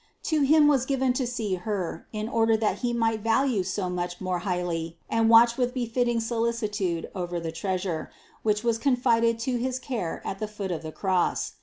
To Him was given to see Her, in order that he might value so much more highly and watch with befitting solicitude over the Treasure, which was con 202 CITY OF GOD fided to his care at the foot of the Cross.